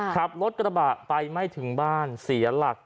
ขับรถกระบะไปไม่ถึงบ้านเสียหลัก